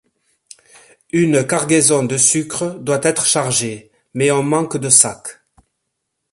Une cargaison de sucre doit être chargée, mais on manque de sacs...